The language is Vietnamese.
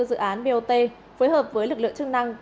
dự án bot phối hợp với lực lượng chức năng